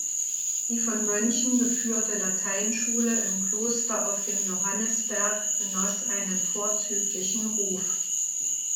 Die von Mönchen geführte Lateinschule im Kloster auf dem Johannisberg genoss einen vorzüglichen Ruf.